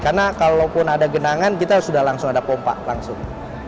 karena kalau pun ada genangan kita sudah langsung ada pompa langsung